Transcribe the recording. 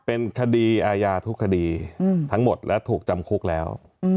เป็นคดีอาญาทุกคดีทั้งหมดและถูกจำคุกแล้ว